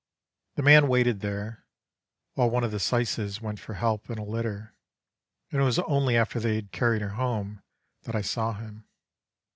"The man waited there, while one of the syces went for help and a litter, and it was only after they had carried her home that I saw him.